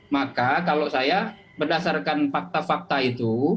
maka kalau saya berdasarkan fakta fakta itu